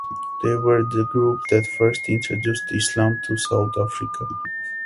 They were the group that first introduced Islam to South Africa.